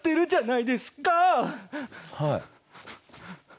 はい。